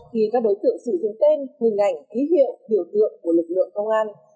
thì các đối tượng sử dụng tên hình ảnh ký hiệu hiểu tượng của lực lượng công an